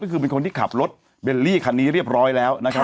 ก็คือเป็นคนที่ขับรถเบลลี่คันนี้เรียบร้อยแล้วนะครับ